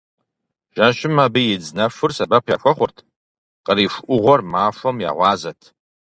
Жэщым абы идз нэхур сэбэп яхуэхъурт, къриху Ӏугъуэр махуэм я гъуазэт.